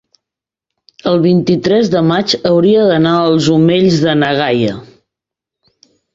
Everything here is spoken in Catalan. el vint-i-tres de maig hauria d'anar als Omells de na Gaia.